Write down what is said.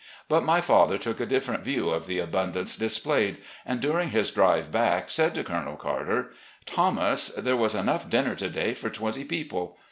But my father took a different view of the abundance displayed, and, dturing his drive back, said to Colonel Carter: "Thomas, there was enough dinner to day for twenty people.